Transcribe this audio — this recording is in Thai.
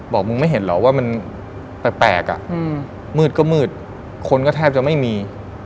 บอกมึงไม่เห็นเหรอว่ามันแปลกอ่ะมืดก็มืดคนก็แทบจะไม่มี